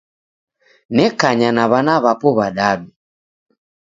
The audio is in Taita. Nekanya na w'ana w'apo w'adadu.